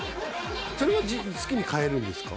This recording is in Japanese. それは好きに買えるんですか？